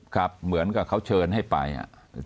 เหมือนกับเขาเชิญให้ไปอ่ะ